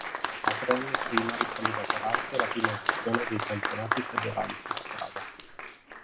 A tre anni prima risaliva peraltro la prima edizione dei campionati federali su strada.